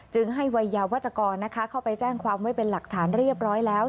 ให้วัยยาวัชกรเข้าไปแจ้งความไว้เป็นหลักฐานเรียบร้อยแล้ว